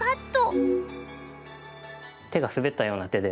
手が滑ったような手で。